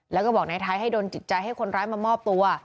แล้วก็บอกนายไทยให้โดนจิตใจให้คนร้ายมามอบตัว